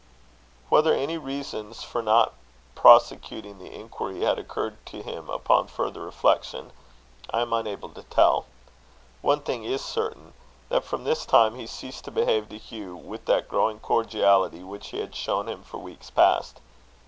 Whether any reasons for not prosecuting the inquiry had occurred to him upon further reflection, I am unable to tell. One thing is certain; that from this time he ceased to behave to Hugh with that growing cordiality which he had shown him for weeks past.